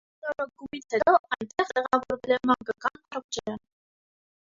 Վերանորոգումից հետո այնտեղ տեղավորվել է մանկական առողջարան։